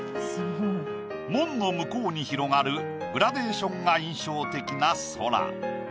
門の向こうに広がるグラデーションが印象的な空。